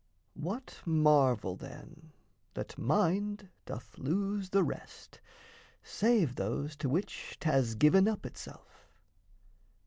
What marvel, then, that mind doth lose the rest, Save those to which 'thas given up itself?